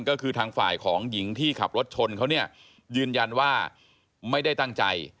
ก็คือทางฝ่ายของหญิงที่ขับรถชนเขาเนี่ยยืนยันว่าไม่ได้ตั้งใจ